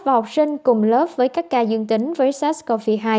và học sinh cùng lớp với các ca dương tính với sars cov hai